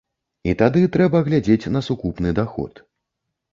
І тады трэба глядзець на сукупны даход.